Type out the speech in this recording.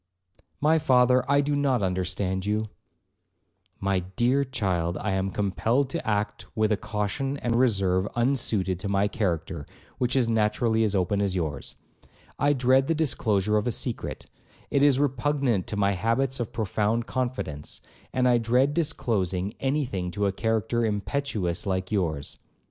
'My father, I do not understand you.' 'My dear child, I am compelled to act with a caution and reserve unsuited to my character, which is naturally as open as yours. I dread the disclosure of a secret; it is repugnant to my habits of profound confidence; and I dread disclosing any thing to a character impetuous like yours.